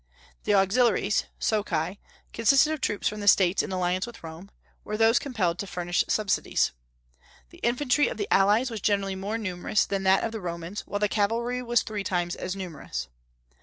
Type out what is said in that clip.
The Auxiliaries (Socii) consisted of troops from the States in alliance with Rome, or those compelled to furnish subsidies. The infantry of the allies was generally more numerous than that of the Romans, while the cavalry was three times as numerous.